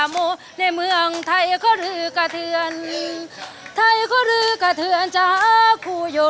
ดูให้มามัวให้ด้วยให้ดู